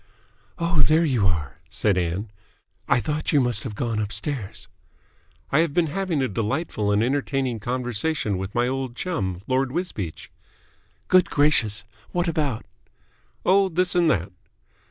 "Oh, there you are," said Ann. "I thought you must have gone upstairs." "I have been having a delightful and entertaining conversation with my old chum, Lord Wisbeach." "Good gracious! What about?" "Oh, this and that."